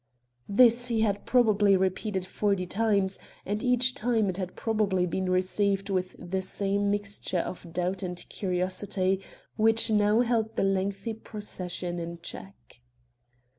This he had probably repeated forty times, and each time it had probably been received with the same mixture of doubt and curiosity which now held the lengthy procession in check.